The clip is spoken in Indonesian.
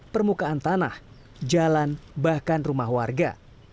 permukaan tanah jalan bahkan rumah warga